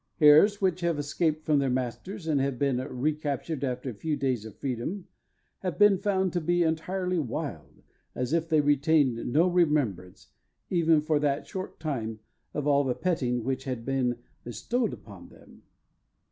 Hares which have escaped from their masters, and have been recaptured after a few days of freedom, have been found to be entirely wild, as if they retained no remembrance, even for that short time, of all the petting which had been bestowed upon them.